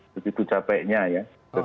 begitu capeknya ya